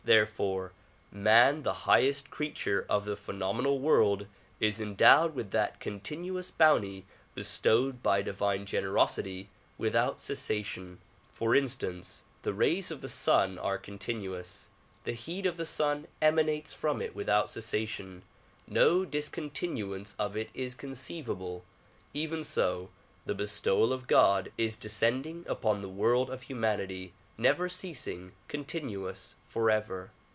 Therefore man the highest creature of the phenom enal world is endowed with that continuous bounty bestowed by divine generosity without cessation. For instance, the rays of the 86 THE PROMULGATION OF UNIVERSAL PEACE sun are continuous, the heat of the sun emanates from it without cessation; no discontinuance of it is conceivable. Even so the bestowal of God is descending upon the world of humanity, never ceasing, continuous, forever.